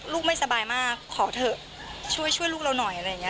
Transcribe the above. ลูกไม่สบายมากขอเถอะ